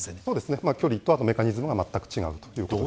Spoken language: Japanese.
距離とメカニズムがまったく違うということです。